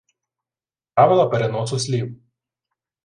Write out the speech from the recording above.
Правила переносу слів